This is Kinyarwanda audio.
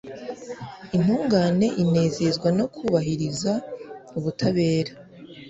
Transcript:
Intungane inezezwa no kubahiriza ubutabera